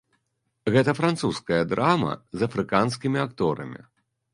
Гэта французская драма з афрыканскімі акторамі.